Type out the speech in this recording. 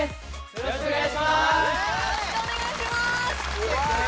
よろしくお願いします